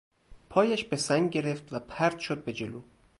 پایش به سنگ گرفت و پرت شد به جلو.